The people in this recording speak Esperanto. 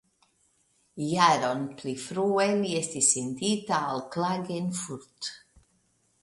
Jaron pli frue li estis sendita al Klagenfurt.